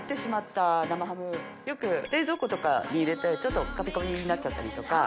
よく冷蔵庫とかに入れてちょっとカピカピになっちゃったりとか。